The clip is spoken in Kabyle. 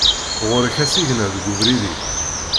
Ɣur-k asigna deg ubrid-ik!